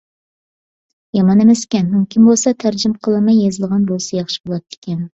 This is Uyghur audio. يامان ئەمەسكەن. مۇمكىن بولسا تەرجىمە قىلىنماي يېزىلغان بولسا ياخشى بولاتتىكەن.